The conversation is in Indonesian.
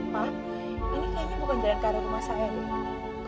pak ini kayaknya bukan jalan ke arah rumah saya nek